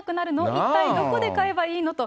一体どこで買えばいいのと。